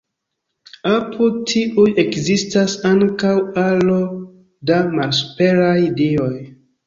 Apud tiuj ekzistas ankaŭ aro da malsuperaj dioj.